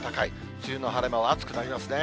梅雨の晴れ間は暑くなりますね。